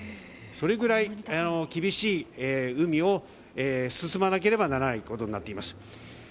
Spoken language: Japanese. それぐらい厳しい海を進まなければならないことになっています。